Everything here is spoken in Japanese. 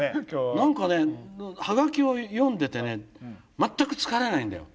何かねハガキを読んでてね全く疲れないんだよ。